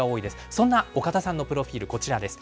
そんな岡田さんのプロフィール、こちらです。